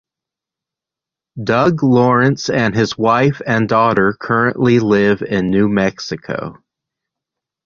Doug Lawrence and his wife and daughter currently live in New Mexico.